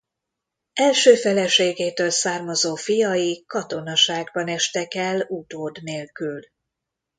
Első feleségétől származó fiai katonaságban estek el utód nélkül.